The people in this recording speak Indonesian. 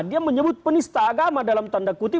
dia menyebut penista agama dalam tanda kutip